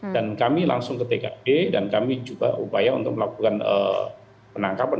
dan kami langsung ke tkb dan kami juga upaya untuk melakukan penangkapan